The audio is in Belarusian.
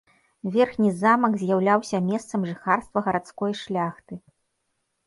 Верхні замак з'яўляўся месцам жыхарства гарадской шляхты.